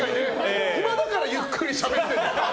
暇だからゆっくりしゃべってるんだ。